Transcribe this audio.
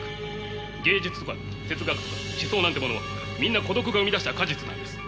芸術とか哲学とか思想なんてものはみんな孤独が生み出した果実なんです。